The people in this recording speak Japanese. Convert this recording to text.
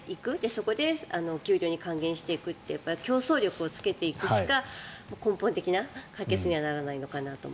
そこで給料に還元していくという競争力をつけていくしか根本的な解決にはならないのかなと。